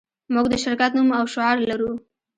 موږ د شرکت نوم او شعار لرو